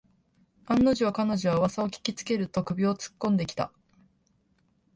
案の定、彼女はうわさを聞きつけると首をつっこんできた